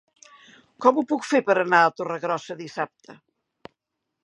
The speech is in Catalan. Com ho puc fer per anar a Torregrossa dissabte?